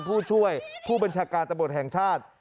ผู้ช่วยผู้บัญชาการตำรวจแห่งชาติ